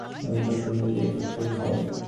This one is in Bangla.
অনেক রাত পর্যন্ত জেগে থাকতে হয়।